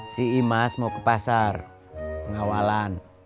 si imas mau ke pasar pengawalan